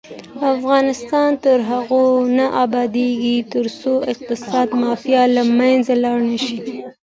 افغانستان تر هغو نه ابادیږي، ترڅو اقتصادي مافیا له منځه لاړه نشي.